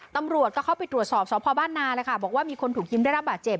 ตำรวจก็เข้าไปตรวจสอบสพบ้านนาเลยค่ะบอกว่ามีคนถูกยิ้มได้รับบาดเจ็บ